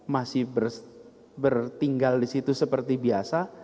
masih bertinggal di situ seperti biasa